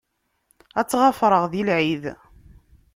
Ad tt-ɣafṛeɣ di lɛid.